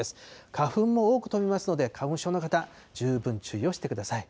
花粉も多く飛びますので、花粉症の方、十分注意をしてください。